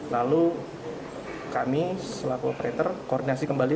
lalu kami selaku operator koordinasi kembali